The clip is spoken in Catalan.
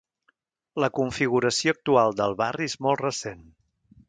La configuració actual del barri és molt recent.